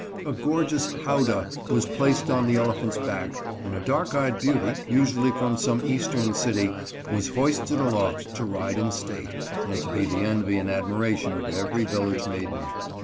A gorgeous howdah was placed on the elephant's back, and a dark eyed beauty, usually from some eastern city, was hoisted aloft to ride in state, and to be the envy and admiration of every village maiden.